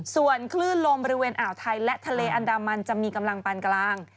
ส่วนคลื่นลมบริเวณอ่าวไทยและทะเลอันดามันจะมีกำลังปานกลาง